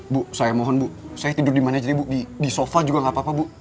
bu saya mohon bu saya tidur di mana jadi bu di sofa juga gak apa apa bu